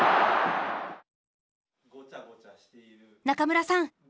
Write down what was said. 中村さん